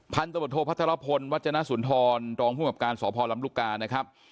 พันธุบทโภพัทรพลวัฒนศ์สุนทรตรองผู้หังการสอบภอลำลูกกานะครับ